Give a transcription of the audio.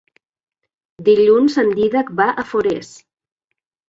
Dilluns en Dídac va a Forès.